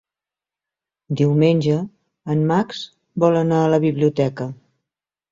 Diumenge en Max vol anar a la biblioteca.